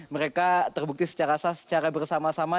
mereka terbukti secara sah secara bersama sama